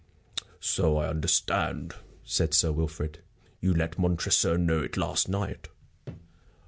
"So I understand," said Sir Wilfrid; "you let Montresor know it last night."